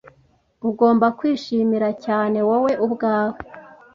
Ugomba kwishimira cyane wowe ubwawe.